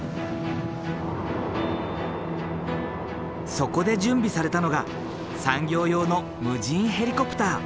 そこで準備されたのが産業用の無人ヘリコプター。